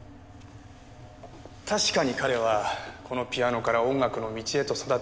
確かに彼はこのピアノから音楽の道へと育っていきました。